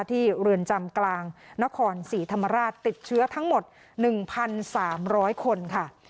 เรือนจำกลางนครศรีธรรมราชติดเชื้อทั้งหมด๑๓๐๐คนค่ะ